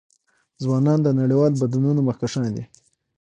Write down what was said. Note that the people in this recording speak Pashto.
ځوانان د نړیوالو بدلونونو مخکښان دي.